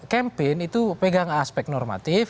campaign itu pegang aspek normatif